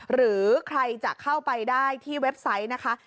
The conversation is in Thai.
หรือใครจะเข้าไปได้ที่เว็บไซต์นะคะ